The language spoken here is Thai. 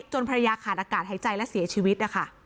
จนภรรยาขาดอากาศหายใจและเสียชีวิตนะคะ